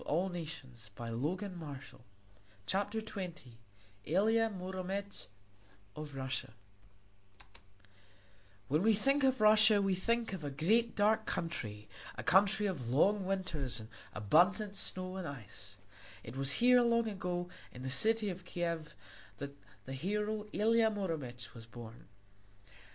[Illustration: TWARDOWSKI IN THE ARMS OF THE EVIL ONE] ILIA MUROMEC OF RUSSIA When we think of Russia we think of a great dark country a country of long winters and abundant snow and ice. It was here, long ago, in the city of Kiev, that the hero Ilia Muromec was born.